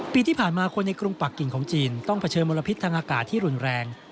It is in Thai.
ปีที่ผ่านมาคนในกรุงปากกิ่งของจีนต้องเผชิญมลพิษทางอากาศที่รุนแรง